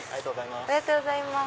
ありがとうございます。